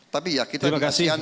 tapi ya kita dikasihkan